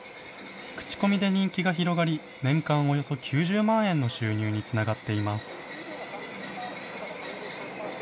口コミで人気が広がり、年間およそ９０万円の収入につながっています。